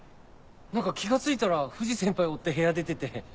何か気が付いたら藤先輩追って部屋出てて。